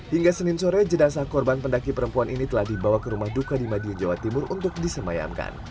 hingga senin sore jenazah korban pendaki perempuan ini telah dibawa ke rumah duka di madiun jawa timur untuk disemayamkan